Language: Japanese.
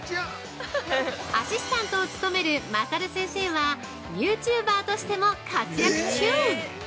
アシスタントを務めるまさる先生はユーチューバーとしても活躍中！